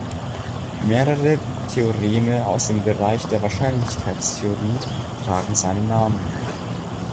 Mehrere Theoreme aus dem Bereich der Wahrscheinlichkeitstheorie tragen seinen Namen.